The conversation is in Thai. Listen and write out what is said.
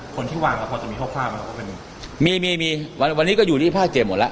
ตอนที่วางละพอจะมีห้อฟาก็มีมีมีวันนี้ก็อยู่ที่ภาคเจ็บหมดล่ะ